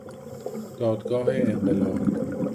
دادگاه انقلاب